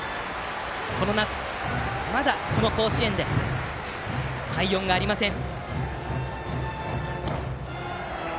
この夏、まだこの甲子園で快音がありません。